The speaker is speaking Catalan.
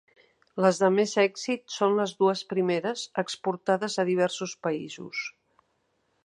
Les de més èxit són les dues primeres, exportades a diversos països.